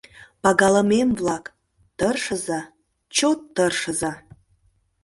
— Пагалымем-влак, тыршыза, чот тыршыза!